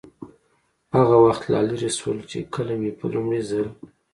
هغه وخت لا لرې شول، چې کله مې په لومړي ځل.